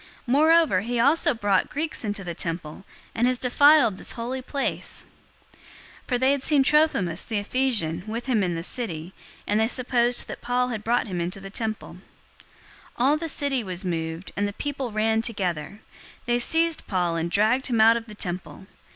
Moreover, he also brought Greeks into the temple, and has defiled this holy place!" 021:029 For they had seen Trophimus, the Ephesian, with him in the city, and they supposed that Paul had brought him into the temple. 021:030 All the city was moved, and the people ran together. They seized Paul and dragged him out of the temple.